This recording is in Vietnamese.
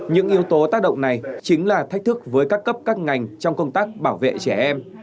những yếu tố tác động này chính là thách thức với các cấp các ngành trong công tác bảo vệ trẻ em